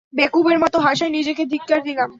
বেকুবের মতো হাসায় নিজেকে ধিক্কার দিলাম।